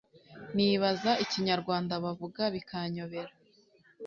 nibaza ikinyarwanda bavuga bikanyobera.